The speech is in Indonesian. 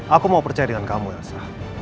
aku mau percaya dengan kamu elsa